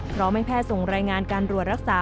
พร้อมให้แพทย์ส่งรายงานการรวดรักษา